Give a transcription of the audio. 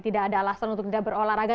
tidak ada alasan untuk tidak berolahraga